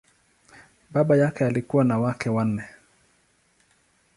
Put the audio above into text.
Baba yake alikuwa na wake wanne.